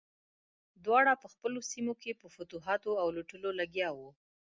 دواړه په خپلو سیمو کې په فتوحاتو او لوټلو لګیا وو.